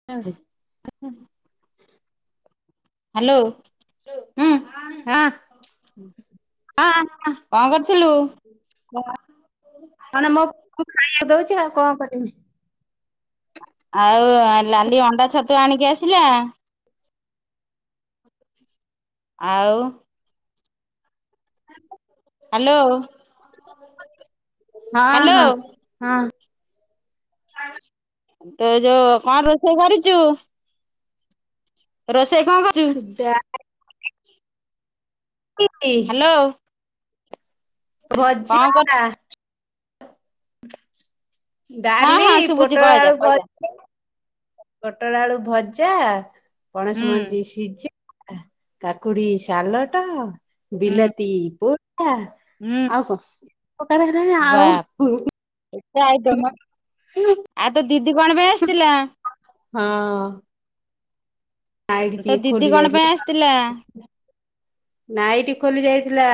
[unintelligible] Hello. ହୁଁ, କଣ କରୁଥିଲୁ? ମାନେ ମୋ ପୁଅକୁ ଖାଇବାକୁ ଦଉଛି ଆଉ କଣ କରମି। ଆଉ ଲାଲି ଅଣ୍ଡା ଛତୁଆ ଆଣିକି ଆସିଲା। ଆଉ। [unintelligible] ହ୍ୟାଲୋ। ହଁ ହ୍ୟାଲୋ ହଁ ହଁ। ତ ଏ ଯୋଉ କଣ ରୋଷେଇ କରିଛୁ? ରୋଷେଇ କଣ କରିଚୁ? ଯା। ଯାଇ ହ୍ୟାଲୋ। କଣ ଭଜା କର ନା। ହଁ ଡାଲି ହଁ ଶୁଭୁଛି ପୋଟଳ କହିଯା ଆଳୁ କହିଯା ଭଜା। ପୋଟୋଲୋ ଆଳୁ ଭଜା ହୁଁ ପଣସ ମଞ୍ଜି ସିଝା। କାକୁଡି ସାାଲଟ ହୁଁ ବିଲାତି ବୋଟା। ହୁଁ ଆଉ କଣ ପ୍ରକାରେ ହେଲାଣି ବାପ୍ ଆଉ। ଏତେ ଆଇଟମ ଆଉ ତୋ ଦିଦି କଣ ପାଇଁ ଆସିଥିଲା? ହଁ। ନାଇଟି ତୋ ଟିକେ ଦିଦି ଖୋଲି କଣ ପାଇଁ ଆସିଥିଲା? ଯାଇଥିଲା। ନାଇଟି ଖୋଲି ଯାଇଥିଲା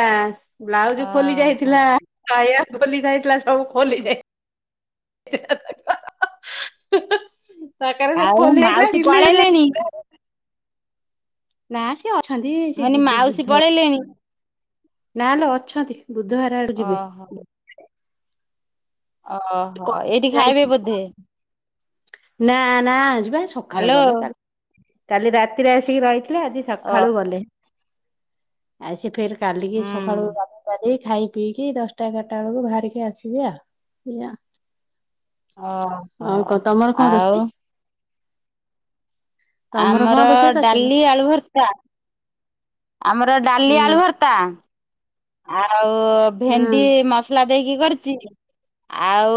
ବ୍ଲାଉଜ ଖୋଲି ଓହୋ ଯାଇଥିଲା। ସାୟା ଖୋଲି ଯାଇଥିଲା ସବୁ ଖୋଲି ଯାଇ ଆଉ ମାଉସୀ ପଳେଇଲେଣି? [inaudible] ନା ସେ ଅଛନ୍ତି ମୁଁ ସେ କହିନି ଯିବେ ମାଉସୀ ବୁଧ ପଳେଇଲେଣି ନାଲୋ ଅଛନ୍ତି ବୁଧବାର ଆଡୁ ଯିବେ। ହଁ ଓହୋ ଏଇଠି ଯାଇ ଖାଇବେ ବୋଧେ? ନା ନା ଆ ଯିବା ସକାଳେ ହ୍ୟାଲୋ ଗଲେ କାଲି ରାତିରେ ଆସିକି ରହିଥିଲେ ଆଜି ଓ ସକାଳୁ ଗଲେ ଆସି ଫେର କାଲିକି ସକାଳୁ ହୁଁ। ଗାଧେଇ ପାଧେଇ ଖାଇ ପିଇକି ଦଶଟା ଏଗାରଟା ବେଳକୁ ବାହାରିକି ଆସିବି ଆଉ। ଓହୋ। ଆଉ କଣ ତମର କଣ ଆଉ ରୋଷେଇ? ତମର କଣ ଆମର ରୋଷେଇ କରିଚ ଲୋ? ଡାଲି ଆଳୁ ଭର୍ତା। ଆମର ହଁ ଡାଲି ଆଳୁ ଭର୍ତା। ଆଉ ହଁ ଭେଣ୍ଡି ମସଲା ଦେଇକି କରିଛି ଆଉ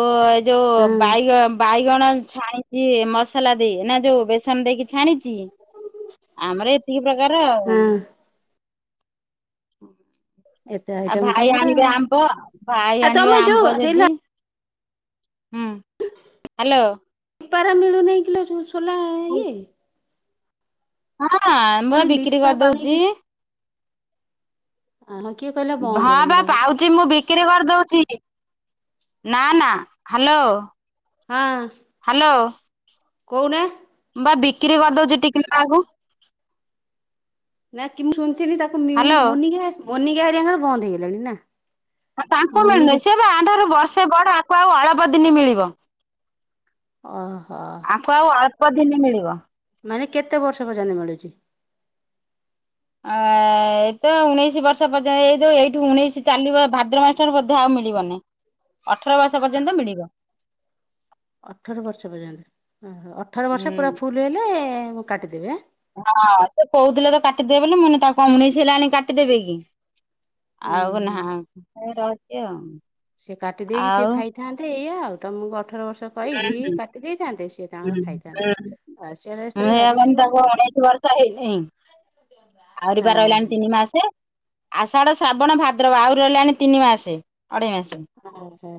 ଯୋଉ ହଁ ବାଇଗଣ ବାଇଗଣ ଛାଣିଛି ମସଲା ଦେଇ ନା ଯୋଉ ବେସନ ଦେଇକି। ଛାଣିଚି ଆମର ଏତିକି ପ୍ରକାର ଆଉ। ହଁ ଏତେ ଆଉ ଆଇଟମ ଭାଇ ତମର ଆଣିବେ ଆମ୍ବ ଭାଇ ଆଉ ଆଣିବେ ତମେ ଆମ୍ବ ଯୋଉ ଯଦି ହ ହ୍ୟାଲୋ। ପେପାରା ମିଳୁନାହିଁ କିଲ ସୋଲା ଇଏ ନା ନା ଆମ୍ବ ମାନେ ବିକ୍ରି ଲିପା ପାଉନି କରିଦଉଛି। ଆ ହଁ କିଏ କହିଲେ ବନ୍ଦ ହେଇଲାଣି ତାଙ୍କର। ବିକିରି କରିଦଉଛି ନା ନା ହ୍ୟାଲୋ ହଁ। ହ୍ୟାଲୋ। କୋଉଟା। ବା ବିକ୍ରି କରିଦଉଛି ଟିକି ମା କୁ। ନା କି ମୁଁ ଶୁଣିଥିଲି ତାକୁ ହାଲୋ ମିଳୁନି ମୁନି ଗାଁ ମନିକା ହେରାଙ୍କର ବନ୍ଦ ହେଇଗଲାଣି ନା ତାଙ୍କୁ ମୋନିକା ମିଳୁନିଇ ସେବା ଆମ ଠାରୁ ବର୍ଷେ ବଡ ଆକୁ ଆଉ ଅଳପ ଦିନି ମିଳିବ। ଓହୋ। ତାଙ୍କୁ ଆଉ ଅଳ୍ପ ଦିନି ମିଳିବ। ମାନେ କେତେ ବର୍ଷ ପର୍ଯ୍ୟନ୍ତ ମିଳୁଛି? ଆ ଏ ତ ଉଣେଇଶି ବର୍ଷ ପର୍ଯ୍ୟନ୍ତ ଏଇ ଯୋଉ ଏଇଠୁ ଉଣେଇଶି ଚାଲିବ ଭାଦ୍ର ମାସଠାରୁ ବଧେ ଆଉ ମିଳିବନି। ଅଠର ବର୍ଷ ପର୍ଯ୍ୟନ୍ତ ମିଳିବ। ଅଠର ବର୍ଷ ପର୍ଯ୍ୟନ୍ତ ଅଠର ହୁଁ। ବର୍ଷ ପୁରା ଫୁଲ ହେଲେ ମୁଁ କାଟିଦେବି ଆ? ହଁ ସେ କହୁଥିଲେ ତ କାଟିଦେବେ ବୋଲି ମାନେ ତାକୁ କଣ ଉଣେଇଶି ହେଲାଣି କାଟିଦେବେ କି? ଉଁ ଆଉ ନା ହୁଁ ରହୁଛି ଆଉ ଆଉ ଥାନ୍ତେ ଏଇା ଆଉ ତମକୁ ଅଠର ବର୍ଷ ହୁଁ କହିକି ହୁଁ କାଟି ଦେଇଥାନ୍ତେ ସିଏ ତାଙ୍କର ହୁଁ ଖାଇଥାନ୍ତେ। ଆଉ ମୁଁ ସେ ହେଆ ଭାରି କହିଲି ଚାଲାକ୍ ତାକୁ ଉଣେଇଶି ବର୍ଷ ହେଇନି। ଆହୁରି ବା ରହିଲାଣି ତିନି ମାସ। ଆଷାଢ, ଶ୍ରାବଣ, ଭାଦ୍ରବ ଆଉରି ରହିଲାଣି ତିନି ମାସେ ଅଢେଇ ମାସ। ଓ ହୋ।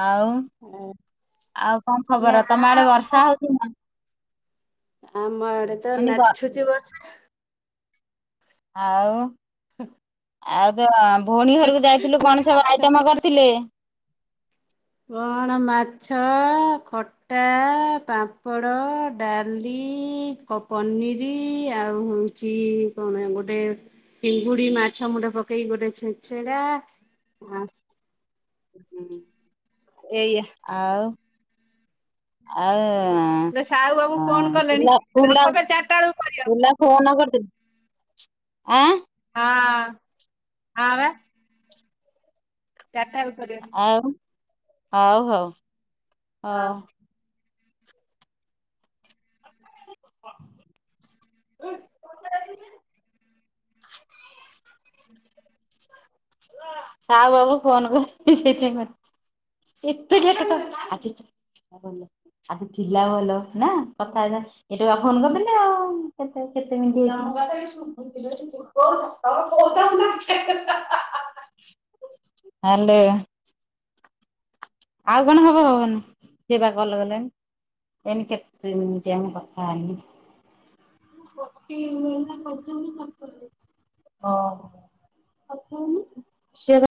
ଆଉ ହଁ। ଆଉ କଣ ଖବର ତମ ଆଡେ ବର୍ଷା କଣ ହଉଛି ନା? ଆମ ଆଡେ ତ ମାନେ ବ ନାଛୁଚି ବର୍ଷା। ଆଉ? ହୁଁ। ଆଉ ତ ଭଉଣୀ ଘରକୁ ଯାଇଥିଲୁ କଣ ସବୁ ବର୍ଷା ଆଇଟମ କରିଥିଲେ? କଣ ମାଛ ଖଟ ଖଟା, ପାମ୍ପଡ଼, ଡାଲି, ପ-ପନିର ଆଉ କଣ ଗୋଟେ ଚିଙ୍ଗୁଡି ମାଛ ମୁଣ୍ଡ ପକେଇକି ଗୋଟେ ଛେଞ୍ଚେଡା। ହଁ। ହଁ। ଏୟା। ଆଉ? ଆଉ ଲୋ ସାହୁ ବାବୁ ଆ ଫୋନ କଲେଣି ଫୁଲ ଫୁଲ ରଖବେ ଚାରିଟା ବେଳକୁ କରିବ ଫୁଲ ଫୋନ କରିଥିଲୁ, ଆଁ ହଁ ହଁ ବା। ଚାରିଟା ବେଳକୁ କରିବା। ଆଉ ହଉ ହଉ ହଉ। ହଁ ହୁଁ ହଁ ହା ସାହୁ ବାବୁ ଫୋନ କରିଛି ସେଇଥିପାଇଁ। ଏତେ [unintelligible] ଭଲ ଆଜି ଥିଲା ଭଲ ନା କଥାବାର୍ତା ଏଟୁ ଫୋନ କରିଦେଲେ ଆଉ କେ-କେତେ ମିନିଟ ହେଇ କ ହାଲୋ। ଆଉ କଣ ହବ ହବନି ସେ ବା କଲ୍ କଲେଣି। [unintelligible] କରହୁଛନ୍ତି ପତ ଓ ହୋ, ସିଏ ତ